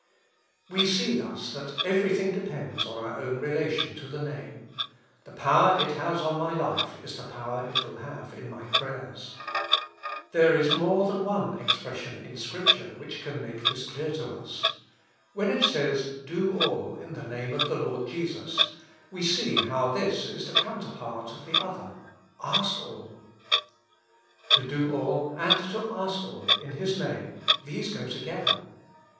We see thus that everything depends on our own relation to the Name ; the power it has on my life is the power it will have in my prayers. There is more than one expression in Scripture which can make this clear to us. When it says, " Do all in the Name 194 With Christ in the School of Prayer. of the Lord Jesus," we see how this is the coun terpart of the other, ''Ask all.'' To do all and to ask all in His Name, these go together.